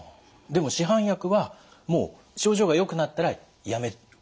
でも市販薬はもう症状がよくなったらやめる？